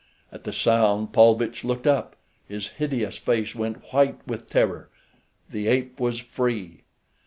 At the sound Paulvitch looked up. His hideous face went white with terror—the ape was free.